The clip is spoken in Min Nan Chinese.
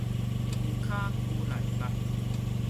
龜跤龜內肉